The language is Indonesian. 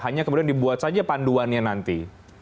hanya kemudian dibuat saja panduannya nanti